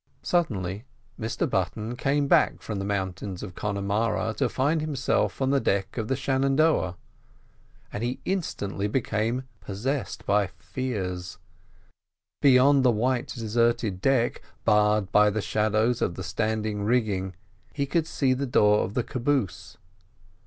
Suddenly Mr Button came back from the mountains of Connemara to find himself on the deck of the Shenandoah; and he instantly became possessed by fears. Beyond the white deserted deck, barred by the shadows of the standing rigging, he could see the door of the caboose.